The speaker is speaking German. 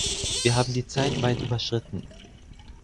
Wir haben die Zeit weit überschritten.